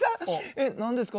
「え何ですか？